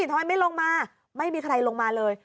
ทอยไม่ลงมาไม่มีใครลงมาเลย